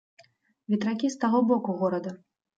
Ветракі з таго боку горада.